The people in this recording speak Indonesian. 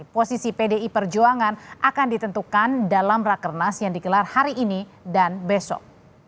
posisi pdi perjuangan akan ditentukan dalam rakernas yang dikelar hari ini dan besok